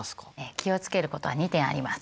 気を付けることは２点あります。